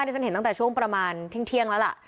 ที่ฉันเห็นตั้งแต่ช่วงประมาณเที่ยงแล้วล่ะ